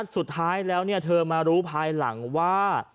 สุดท้ายแล้วเธอมารู้ภายหลังว่า